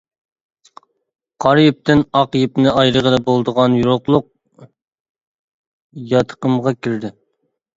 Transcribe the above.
قارا يىپتىن ئاق يىپنى ئايرىغىلى بولىدىغان يورۇقلۇق ياتىقىمغا كىردى.